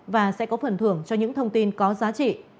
và sẽ có phần thưởng cho những thông tin có giá trị